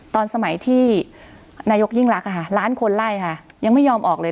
ตอนสมัยที่นายกยิ่งรักล้านคนไล่ค่ะยังไม่ยอมออกเลย